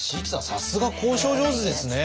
さすが交渉上手ですね。